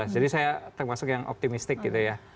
jadi saya termasuk yang optimistik gitu ya